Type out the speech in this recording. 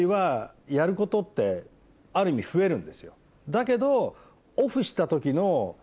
だけど。